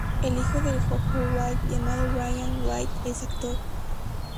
El hijo de Jo Jo White, llamado Brian J. White, es actor.